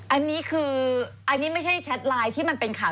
อันนี้คืออันนี้ไม่ใช่แชทไลน์ที่มันเป็นข่าว